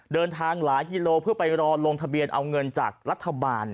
เดินทางหลายกิโลเพื่อไปรอลงทะเบียนเอาเงินจากรัฐบาล